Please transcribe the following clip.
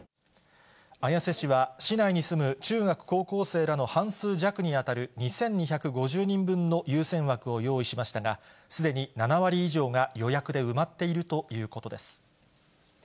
綾瀬市は、市内に住む中学、高校生らの半数弱に当たる２２５０人分の優先枠を用意しましたが、すでに７割以上が予約で埋まっているということです。